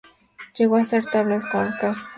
Llegó a hacer tablas con Kaspárov.